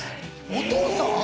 お父さん？